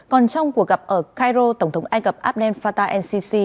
còn trong cuộc gặp ở cairo tổng thống anh gặp abdel fattah el sisi